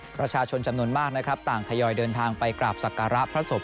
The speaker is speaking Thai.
ประชาชนจำนวนมากนะครับต่างทยอยเดินทางไปกราบศักระพระศพ